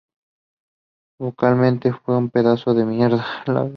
Vocalmente fue un pedazo de mierda.